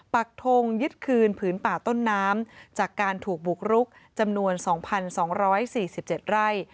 ปักทงยึดคืนผืนป่าต้นน้ำจากการถูกบุกรุกจำนวน๒๒๔๗ไร่